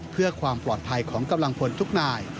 เพื่อความปลอดภัยของกำลังพลทุกนาย